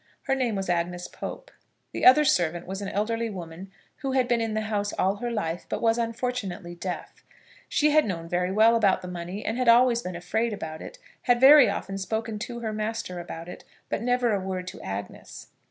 Her name was Agnes Pope. The other servant was an elderly woman, who had been in the house all her life, but was unfortunately deaf. She had known very well about the money, and had always been afraid about it; had very often spoken to her master about it, but never a word to Agnes.